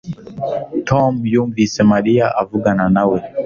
Tom yumvise Mariya avugana nawe